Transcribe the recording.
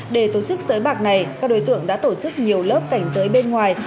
để tổ chức sới bạc này các đối tượng đã tổ chức nhiều lớp cảnh giới bên ngoài